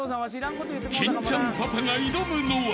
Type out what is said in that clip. ［金ちゃんパパが挑むのは］